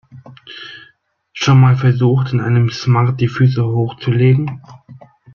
Schon mal versucht, in einem Smart die Füße hochzulegen?